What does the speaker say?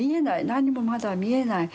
何もまだ見えない。